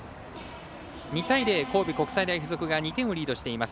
２対０と神戸国際大付属が２点をリードしています。